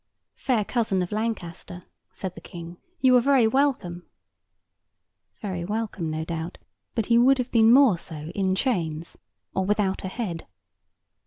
'Fair cousin of Lancaster,' said the King, 'you are very welcome' (very welcome, no doubt; but he would have been more so, in chains or without a head).